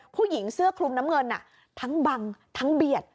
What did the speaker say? ผู้หญิงเสื้อคลุมน้ำเงินทั้งบังทั้งเบียด